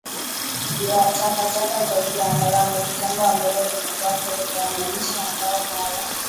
ya takataka zaidi ya mara moja jambo ambalo limekuwa kero kwa wananchi ambao mara